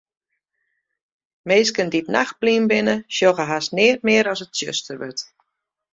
Minsken dy't nachtblyn binne, sjogge hast neat mear as it tsjuster wurdt.